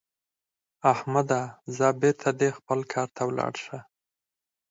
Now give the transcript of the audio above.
احمده؛ ځه بېرته دې خپل کار ته ولاړ شه.